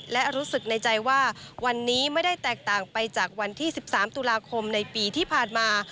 และรู้สึกในใจว่าวันนี้ไม่ได้แตกต่างไปจากวันที่๑๓ตุลาคมในปีที่ผ่านมา